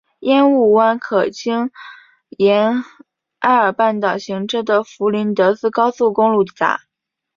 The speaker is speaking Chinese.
烟雾湾可经沿艾尔半岛行车的弗林德斯高速公路抵达。